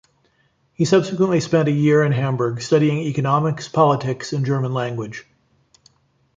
He subsequently spent a year in Hamburg studying economics, politics, and German language.